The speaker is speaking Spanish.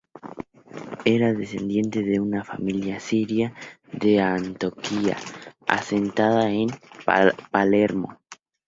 Era descendiente de una familia siria de Antioquía asentada en Palermo.